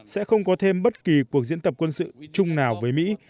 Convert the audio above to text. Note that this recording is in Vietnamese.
sẽ không có thêm bất kỳ cuộc diễn tập quân sự chung nào với mỹ